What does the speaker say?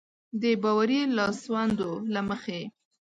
د باوري لاسوندو له مخې.